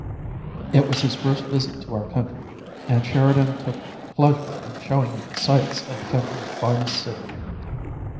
It was his first visit to our country, and Sheridan took pleasure in showing him the sights of the country's finest city.